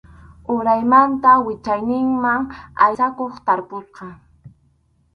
Uraymanta wichayniqman aysakuq tarpusqa.